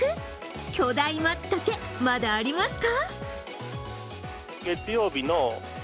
巨大まつたけ、まだありますか？